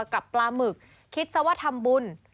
กับปลาหมึกคิดซะว่าทำบุญ